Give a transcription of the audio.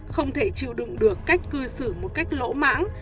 không thể chịu đựng được cách cư xử một cách lỗ mãng